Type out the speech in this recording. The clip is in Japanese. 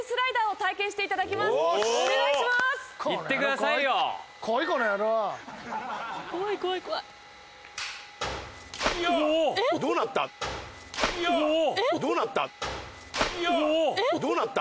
竹山：どうなった？